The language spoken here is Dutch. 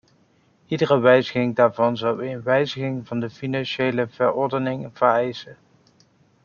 Iedere wijziging daarvan zou een wijziging van de financiële verordeningen vereisen.